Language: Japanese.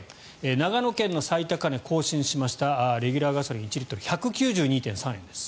長野県の最高値更新しましたレギュラーガソリン１リットル１９２．３円です。